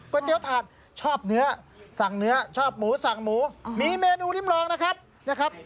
เตี๋ยวถาดชอบเนื้อสั่งเนื้อชอบหมูสั่งหมูมีเมนูริมลองนะครับนะครับ